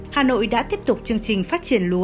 hà nội đã tiếp tục chương trình phát triển lúa